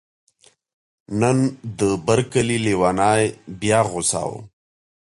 نن د بر کلي لیونی بیا غوسه و